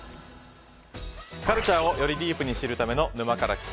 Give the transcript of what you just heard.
カルチャーをよりディープに知るための「沼から来た。」。